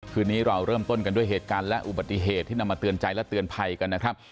คืนนี้เราเริ่มต้นกันด้วยเหตุการณ์และอุบัติเหตุที่นำมาเตือนใจและเตือนภัยกันนะครับ